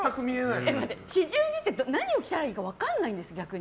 ４２って何を着たらいいか分からないんですよ。